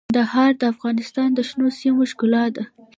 کندهار د افغانستان د شنو سیمو ښکلا ده.